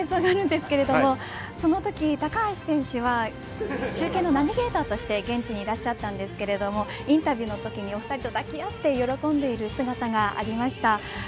この映像なんですがそのとき、高橋選手は中継のナビゲーターとして現地にいらっしゃったんですがインタビューの時にお二人と抱き合って喜んでいる姿がありました。